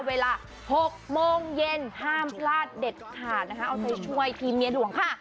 เวลา๖โมงเย็นห้ามพลาดเด็ดขาดนะคะเอาใจช่วยทีมเมียหลวงค่ะ